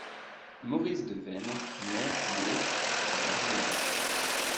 Maurice de Vaines naît le à Bar-le-Duc.